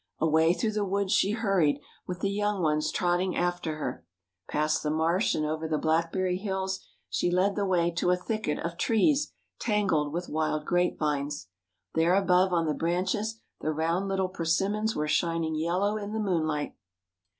Away through the woods she hurried, with the young ones trotting after her. Past the marsh and over the blackberry hills she led the way to a thicket of trees tangled with wild grapevines. There above on the branches the round little persimmons were shining yellow in the moonlight.